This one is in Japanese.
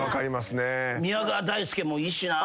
宮川大輔もいいしな。